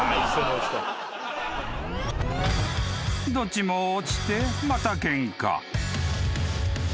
［どっちも落ちてまたケンカ］